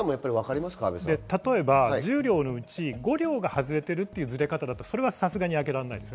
例えば１０両のうち５両が外れているというずれ方だと、さすがに開けられないです。